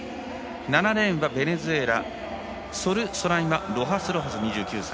７レーン、ベネズエラソルソライマ・ロハスロハス２９歳。